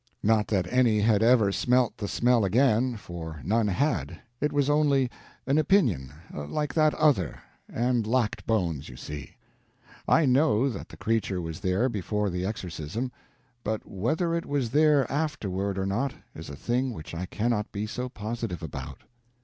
Not that any had ever smelt the smell again, for none had; it was only an opinion, like that other—and lacked bones, you see. I know that the creature was there before the exorcism, but whether it was there afterward or not is a thing which I cannot be so positive about.